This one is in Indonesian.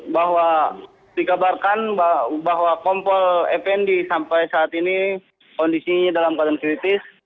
bahwa dikabarkan bahwa kompol fnd sampai saat ini kondisinya dalam keadaan kritis